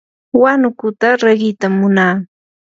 huanukuta riqitam munaa.